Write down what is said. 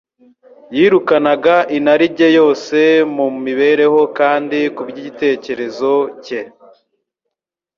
Yirukanaga inarijye yose yo mu mibereho kandi kuby'icyitegererezo cye,